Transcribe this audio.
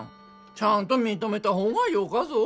ちゃんと認めた方がよかぞ。